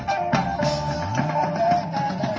สวัสดีครับทุกคน